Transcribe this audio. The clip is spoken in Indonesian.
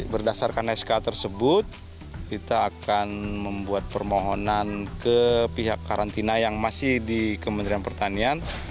berdasarkan sk tersebut kita akan membuat permohonan ke pihak karantina yang masih di kementerian pertanian